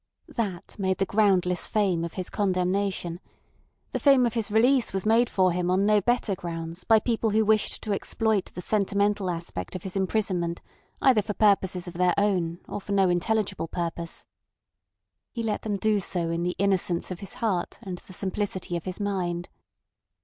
That made the groundless fame of his condemnation; the fame of his release was made for him on no better grounds by people who wished to exploit the sentimental aspect of his imprisonment either for purposes of their own or for no intelligible purpose. He let them do so in the innocence of his heart and the simplicity of his mind.